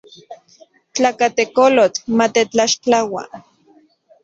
Tlakatekolotl matetlaxtlaua.